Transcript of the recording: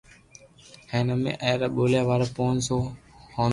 ھين امي اي را ٻوليا وارا پونچ سو خوندون